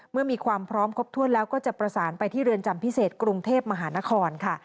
มีความพร้อมครบถ้วนแล้วก็จะประสานไปที่เรือนจำพิเศษกรุงเทพมหานครค่ะ